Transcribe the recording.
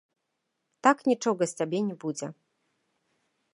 Так нічога з цябе не будзе.